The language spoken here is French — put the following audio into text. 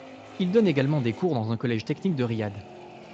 Il donne également des cours dans un collège technique de Riyad.